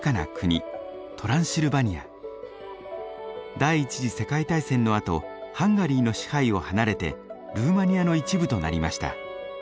第１次世界大戦のあとハンガリーの支配を離れてルーマニアの一部となりました。